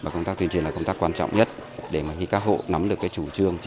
công tác tuyên truyền là công tác quan trọng nhất để các hộ nắm được chủ trương